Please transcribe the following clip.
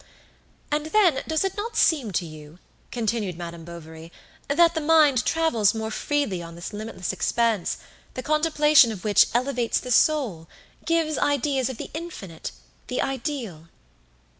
"And then, does it not seem to you," continued Madame Bovary, "that the mind travels more freely on this limitless expanse, the contemplation of which elevates the soul, gives ideas of the infinite, the ideal?"